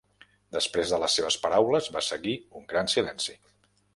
Després de les seves paraules va seguir un gran silenci.